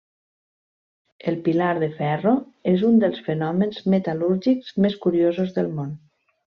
El pilar de ferro és un dels fenòmens metal·lúrgics més curiosos del món.